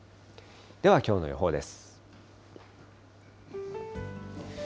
ではきょうの予報です。